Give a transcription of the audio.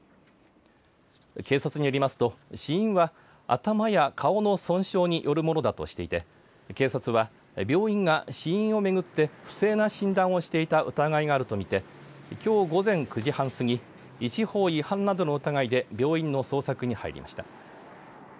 警察によりますと死因は頭や顔の損傷によるものだとしていて警察は病院が死因を巡って不正な診断をしていた疑いがあるとみてきょう午前９時半過ぎ医師法違反などの疑いで病院の捜索に入りました。